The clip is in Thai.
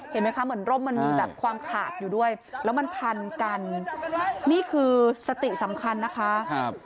เห็นไหมคะเหมือนร่มมันมีแบบความขาดอยู่ด้วยแล้วมันพันกันนี่คือสติสำคัญนะคะ